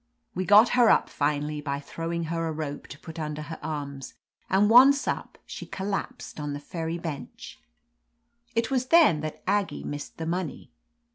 We got her up finally by throwing her a rope to put under her arms, and once up she collapsed on the ferry bench. It was then that Aggie missed the money.